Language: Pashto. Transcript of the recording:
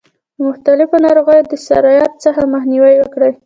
د مختلفو ناروغیو د سرایت څخه مخنیوی وکړي.